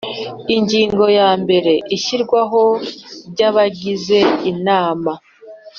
Ingingo ya mbere Ishyirwaho ry abagize inama